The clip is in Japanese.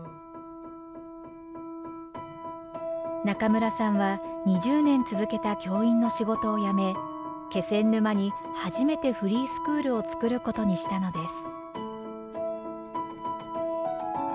中村さんは２０年続けた教員の仕事を辞め気仙沼に初めてフリースクールを作ることにしたのです。